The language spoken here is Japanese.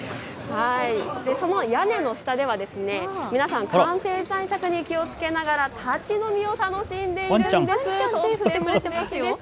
その屋根の下では皆さん感染対策に気をつけながら立ち飲みを楽しんでいるんです。